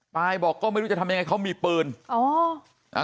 ปายบอกก็ไม่รู้จะทำยังไงเขามีเปลือน